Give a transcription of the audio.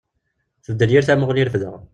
Tbeddel yir tamuɣli i refdeɣ.